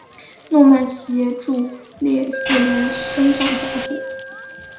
诺曼协助列斯联升上甲组。